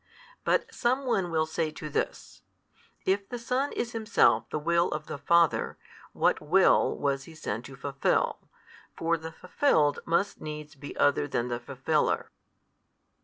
But some one will say to this: "If the Son is Himself the Will of the Father, what will was He sent to fulfil? for the fulfilled must needs be other than the fulfiller."